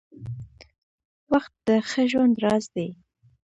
• وخت د ښه ژوند راز دی.